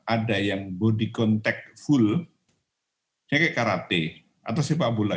ada yang body contact fullnya kayak karate atau sepak bola